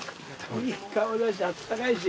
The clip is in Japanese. いい香りだしあったかいし。